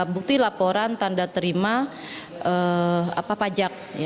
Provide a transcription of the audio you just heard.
bukti laporan tanda terima pajak